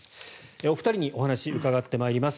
お二人にお話を伺ってまいります。